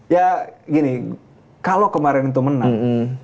ya gini kalau kemarin itu menang